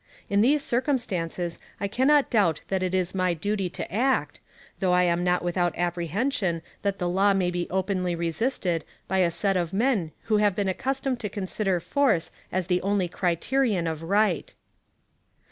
In these circumstances, I cannot doubt that it is my duty to act, though I am not without apprehension that the law may be openly resisted by a set of men who have been accustomed to consider force as the only criterion of right.'